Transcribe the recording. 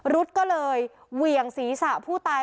รุ๊ดก็เลยเหวี่ยงศีรษะผู้ตาย